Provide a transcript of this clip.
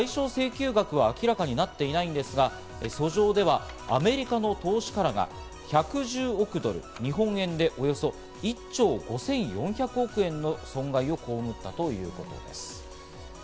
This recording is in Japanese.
この賠償請求額は明らかになっていないんですが、訴状ではアメリカの投資家らが１１０億ドル、日本円でおよそ１兆５４００億円の損害を被ったということです。